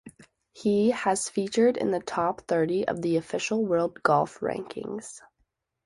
He has featured in the top thirty of the Official World Golf Rankings.